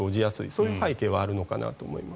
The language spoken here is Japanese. そういう背景はあるのかなと思います。